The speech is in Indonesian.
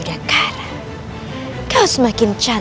bahkan agak ber powok powok